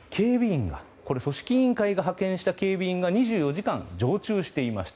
組織委員会が派遣した警備員が２４時間常駐していました。